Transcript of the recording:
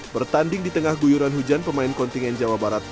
bertanding di tengah guyuran hujan pemain kontingen jawa barat